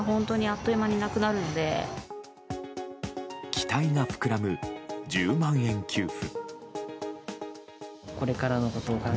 期待が膨らむ１０万円給付。